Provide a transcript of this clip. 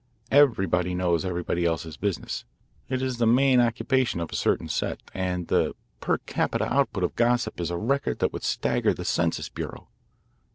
Everybody knows everybody else's business. It is the main occupation of a certain set, and the per capita output of gossip is a record that would stagger the census bureau.